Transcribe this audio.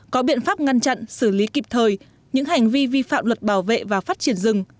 có biện pháp ngăn chặn xử lý kịp thời những hành vi vi phạm luật bảo vệ và phát triển rừng